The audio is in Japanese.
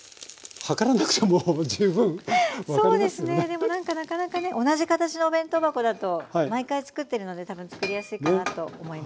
でも何かなかなかね同じ形のお弁当箱だと毎回つくってるので多分つくりやすいかなと思います。